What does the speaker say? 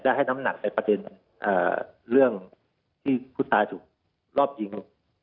ให้น้ำหนักในประเด็นเรื่องที่ผู้ตายถูกรอบยิง